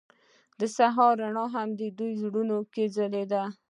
د سهار رڼا هم د دوی په زړونو کې ځلېده.